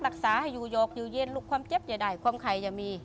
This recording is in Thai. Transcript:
รักษาให้อยู่หยอกอยู่เย็นลูกความเจ็บอย่าได้ความไข่อย่ามี